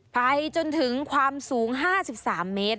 ไปจนถึงความสูง๕๓เมตร